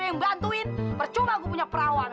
bercuma gue punya perawan